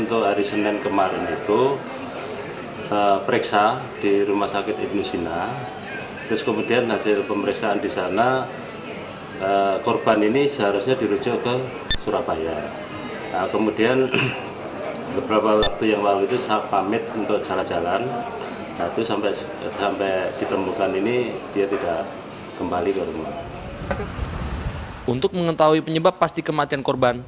untuk mengetahui penyebab pasti kematian korban